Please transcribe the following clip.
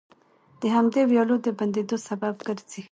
د همدې ويالو د بندېدو سبب ګرځي،